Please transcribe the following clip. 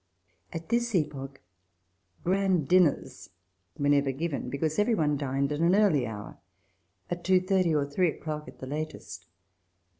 At this epoch grand dinners were never given, be cause every one dined at an early hour — at two thirty, or three o'clock at the latest.